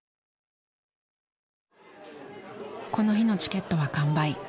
この日のチケットは完売。